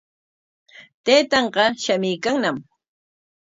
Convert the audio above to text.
Taytanqa shamuykanñam.